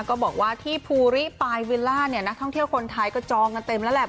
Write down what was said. ก็บอกว่าที่ภูริปายวิลล่าเนี่ยนักท่องเที่ยวคนไทยก็จองกันเต็มแล้วแหละ